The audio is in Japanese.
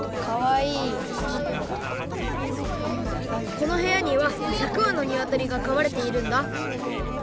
このへやには１００わのにわとりがかわれているんだ